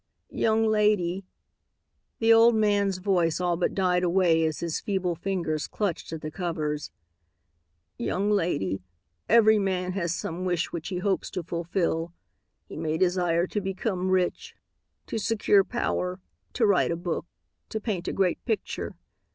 "Young lady," the old man's voice all but died away as his feeble fingers clutched at the covers, "young lady, every man has some wish which he hopes to fulfill. He may desire to become rich, to secure power, to write a book, to paint a great picture.